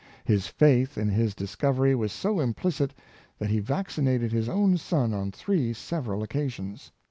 His faith in his dis covery was so implicit that he vaccinated his own son on three several occasions.